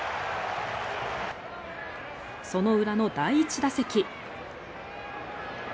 その裏の第１打席。